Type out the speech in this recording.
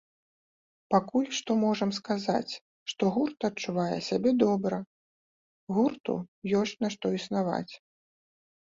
Пакуль што можам сказаць, што гурт адчувае сябе добра, гурту ёсць на што існаваць.